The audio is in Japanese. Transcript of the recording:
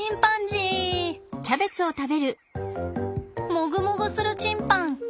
もぐもぐするチンパン！